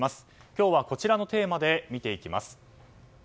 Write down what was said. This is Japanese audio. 今日はこちらのテーマで見ていきます。